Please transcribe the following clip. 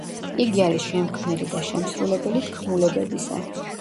იგი არის შემქმნელი და შემსრულებელი თქმულებებისა.